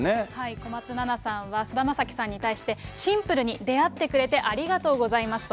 小松菜奈さんは菅田将暉さんに対して、シンプルに出会ってくれてありがとうございますと。